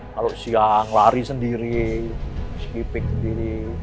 kalau siang lari sendiri skipping sendiri